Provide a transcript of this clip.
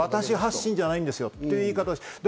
私発信じゃないですよという言い方。